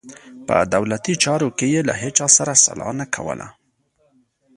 په دولتي چارو کې یې له هیچا سره سلا نه کوله.